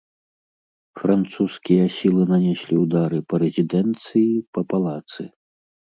Французскія сілы нанеслі ўдары па рэзідэнцыі, па палацы.